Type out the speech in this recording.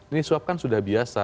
ini swab kan sudah biasa